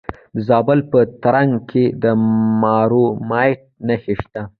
د زابل په ترنک کې د کرومایټ نښې شته.